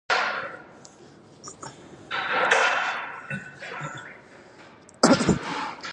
On television, Reischl appeared on "Gunsmoke", "The Interns", "Apple's Way" and "The Bold Ones".